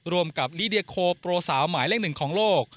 รวมกับลิเดียโคโปรสาวหมายเลขหนึ่งของโลก